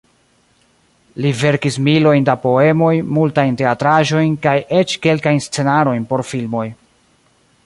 Li verkis milojn da poemoj, multajn teatraĵojn, kaj eĉ kelkajn scenarojn por filmoj.